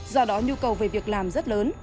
do đó nhu cầu về việc làm rất lớn